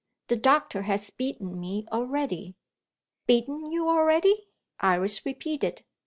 The doctor has beaten me already." "Beaten you already?" Iris repeated.